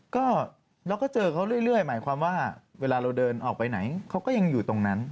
ก็เราก็เจอเขาเรื่อยหมายความว่าเวลาเราเดินออกไปไหนเขาก็ยังอยู่ตรงนั้น